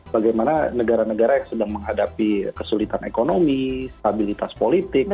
bagaimana negara negara yang sedang menghadapi kesulitan ekonomi stabilitas politik